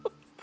sama si si